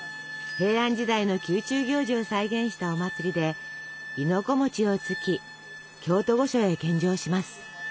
平安時代の宮中行事を再現したお祭りで亥の子をつき京都御所へ献上します。